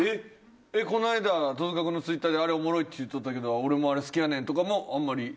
「この間戸塚君のＴｗｉｔｔｅｒであれおもろいって言っとったけど俺もあれ好きやねん」とかもあんまり。